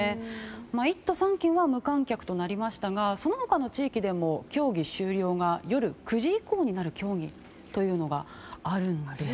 １都３県は無観客となりましたがその他の地域でも競技終了が夜９時以降になる競技というのがあるんです。